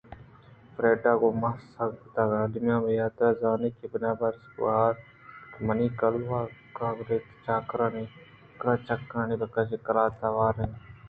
فریڈا ءَگوں من سانگ کُتگءُایملیا ءَ ہمے حاترا زاناں کہ بناربس ءِگوٛہار اِنت ءُآمنی کلوہ ءُکاگد ءُکراچانی چہ قلات ءَ آروک اِنت